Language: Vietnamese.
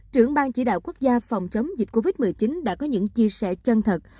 trưởng ban chỉ đạo quốc gia phòng chống dịch covid một mươi chín đã có những chia sẻ chân thật